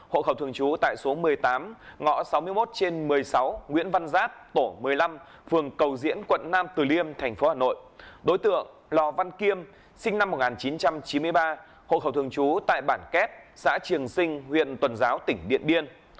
hộ khẩu thường trú tại bản kép xã trường sinh huyện tuần giáo tỉnh điện biên